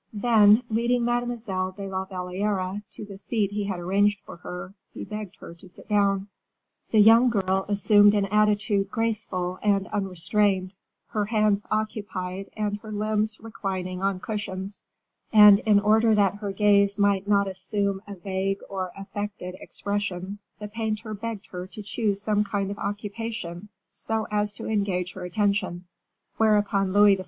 Then, leading Mademoiselle de la Valliere to the seat he had arranged for her, he begged her to sit down. The young girl assumed an attitude graceful and unrestrained, her hands occupied and her limbs reclining on cushions; and in order that her gaze might not assume a vague or affected expression, the painter begged her to choose some kind of occupation, so as to engage her attention; whereupon Louis XIV.